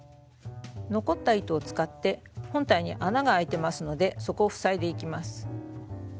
残った糸を使って本体に穴が開いてますのでそこを塞いでいきます。